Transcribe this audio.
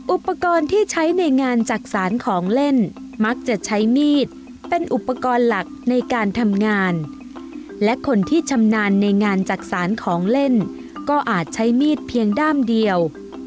อุปกรณ์ที่ใช้ในงานจักษานของเล่นมักจะใช้มีดเป็นอุปกรณ์หลักในการทำงานและคนที่ชำนาญในงานจักษานของเล่นก็อาจใช้มีดเพียงด้ามเดียว